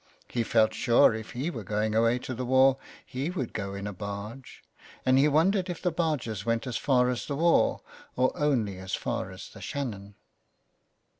He felt sure if he were going away to the war he would go in a barge. And he wondered if the barge went as far as the war or only 281 so ON HE FARES. as far as the Shannon